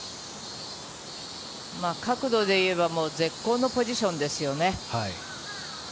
角度でいえば絶好のポジションですよね。